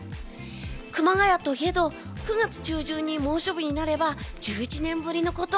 熊谷といえど９月中旬に猛暑日になれば１１年ぶりのこと。